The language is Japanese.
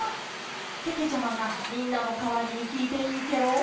けけちゃまがみんなのかわりにきいていいケロ？